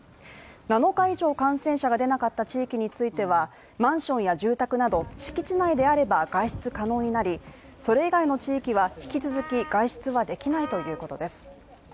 ７日以上感染者が出なかった地域についてはマンションや住宅など敷地内であれば外出可能になりそれ以外の地域は引き続き外出ができないということです。